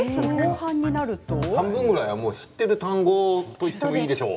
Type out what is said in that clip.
半分ぐらい知っている単語と言ってもいいでしょう。